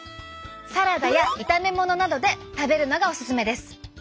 サラダや炒めものなどで食べるのがオススメです！